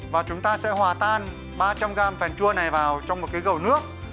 và chúng ta sẽ hòa tan ba trăm linh gram phần chua này vào trong một cái gầu nước